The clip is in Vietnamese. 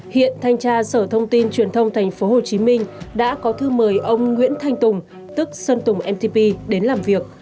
hiện thanh tra sở thông tin truyền thông tp hcm đã có thư mời ông nguyễn thanh tùng tức sơn tùng mtp đến làm việc